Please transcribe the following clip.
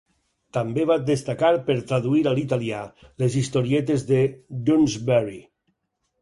També va destacar per traduir a l'italià les historietes de "Doonesbury".